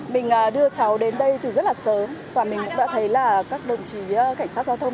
mình đưa cháu đến đây từ rất là sớm và mình cũng đã thấy là các đồng chí cảnh sát giao thông